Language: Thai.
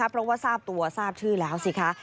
เพราะว่าทราบตัวทราบชื่อแล้วสิคะ